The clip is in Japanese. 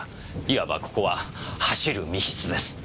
いわばここは走る密室です。